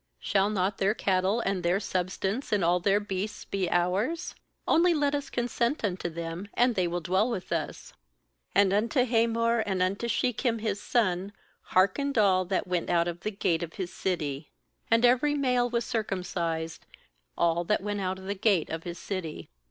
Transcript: ^Shall not their cattle and their substance and all their beasts be ours? only let us consent unto them, and they will dwell with us.7 MAnd unto Hamor and unto Shechem his son hearkened all that went out of the gate of his city; and every male was circumcised, all that went out of the gate of his city.